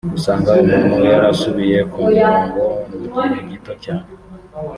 usanga umuntu yarasubiye ku murongo mu gihe gito cyane